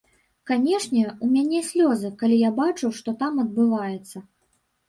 Канешне, у мяне слёзы, калі я бачу, што там адбываецца.